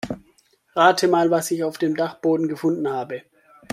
Rate mal, was ich auf dem Dachboden gefunden habe.